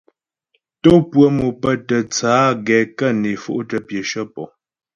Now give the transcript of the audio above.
Tò pʉə̀ mò pə́ tə tsə á gɛ kə́ né fo'tə pyəshə pɔ.